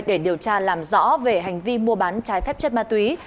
để điều tra làm rõ về hành vi mua bán trái phép chất ma túy